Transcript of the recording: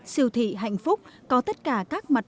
siêu thị hạnh phúc có tất cả các mặt